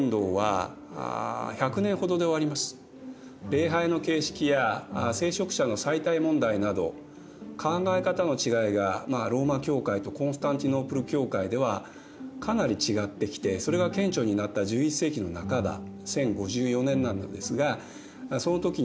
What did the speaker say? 礼拝の形式や聖職者の妻帯問題など考え方の違いがローマ教会とコンスタンティノープル教会ではかなり違ってきてそれが顕著になった１１世紀の半ば１０５４年なんですがその時にお互いに破門を言い渡して分裂しました。